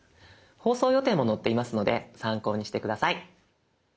放送予定も載っていますので参考にして下さい。